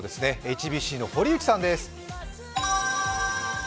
ＨＢＣの堀内さんです。